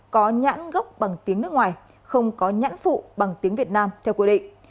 có nhãn gốc bằng tiếng nước ngoài không có nhãn phụ bằng tiếng việt nam theo quy định